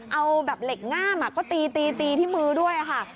เอาแบบเหล็กง่ามก็ตีตีที่มือด้วยค่ะ